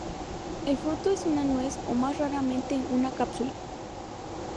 El fruto es una nuez o más raramente, una cápsula.